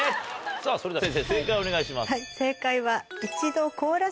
さぁそれでは先生正解をお願いします。